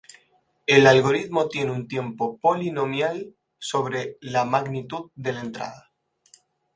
El algoritmo tiene tiempo polinomial sobre la magnitud de la entrada.